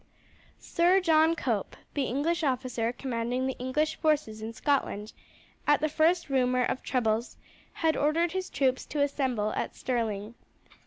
Sir John Cope, the English officer commanding the English forces in Scotland, at the first rumour of troubles had ordered his troops to assemble at Stirling.